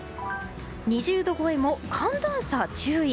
２０度超えも寒暖差注意。